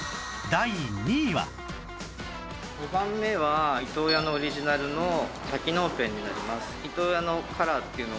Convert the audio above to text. ２番目は伊東屋のオリジナルの多機能ペンになります。